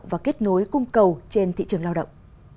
và kết nối cung cầu trên thị trường lao động